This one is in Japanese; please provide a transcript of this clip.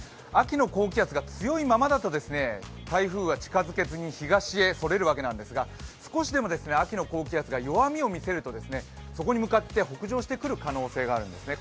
秋の高気圧が強いままだと台風が近づけずに東へそれるわけなんですが少しでも秋の高気圧が弱みを見せるとそこに向かって北上してくる可能性があるんですね。